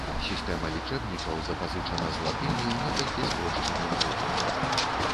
Сістэма лічэбнікаў запазычана з латыні ў некалькі спрошчаным выглядзе.